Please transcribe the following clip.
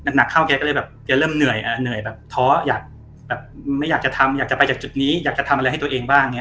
หนักเข้าแกก็เลยแบบแกเริ่มเหนื่อยเหนื่อยแบบท้ออยากแบบไม่อยากจะทำอยากจะไปจากจุดนี้อยากจะทำอะไรให้ตัวเองบ้างอย่างนี้